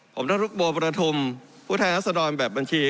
ผมท่านลูกบัวประธุมผู้แทนราศดรรย์แบบบัญชี